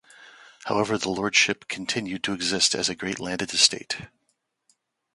However the lordship continued to exist as a great landed estate.